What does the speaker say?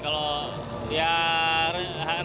kalau ya harga tiga ratus an